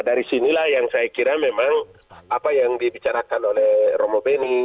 dari sinilah yang saya kira memang apa yang dibicarakan oleh romo beni